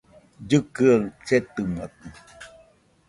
Llɨkɨaɨ setɨmakɨ